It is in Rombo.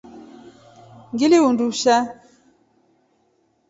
Ngili undusha.